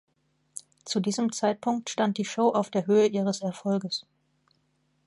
Zu diesem Zeitpunkt stand die Show auf der Höhe ihres Erfolges.